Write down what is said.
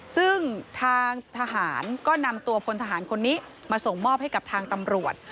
ซึ่งทางทหารก็นำตัวพลทหารคนนี้มาส่งมอบให้กับทางตำรวจ